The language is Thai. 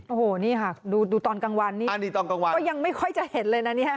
โอ้โหนี่ค่ะดูตอนกลางวันนี้ก็ยังไม่ค่อยจะเห็นเลยนะเนี่ย